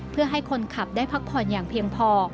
เพื่อให้คนขับได้พักผ่อนอย่างเพียงพอ